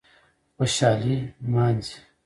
خوشالي نمانځي